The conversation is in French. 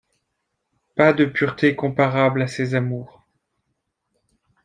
Pas de pureté comparable à ces amours.